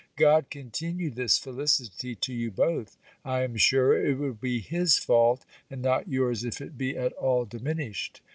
God continue this felicity to you both. I am sure it will be his fault, and not yours, if it be at all diminished.